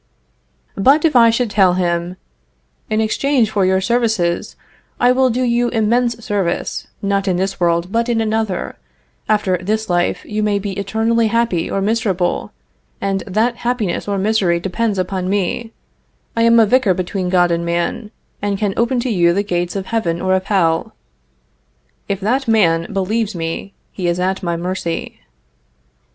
But if I should tell him, "In exchange for your services I will do you immense service, not in this world but in another; after this life you may be eternally happy or miserable, and that happiness or misery depends upon me; I am a vicar between God and man, and can open to you the gates of heaven or of hell;" if that man believes me he is at my mercy.